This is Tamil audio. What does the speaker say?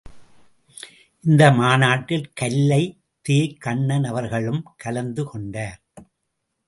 இந்த மாநாட்டில் கல்லை, தே.கண்ணன் அவர்களும் கலந்து கொண்டார்.